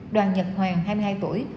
đoàn nhật hoàng hai mươi hai tuổi